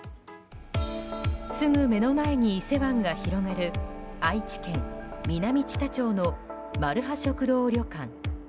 すぐ目の前に伊勢湾が広がる愛知県南知多町のまるは食堂旅館。